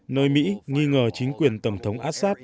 nơi mỹ nghi ngờ chính quyền tổng thống assad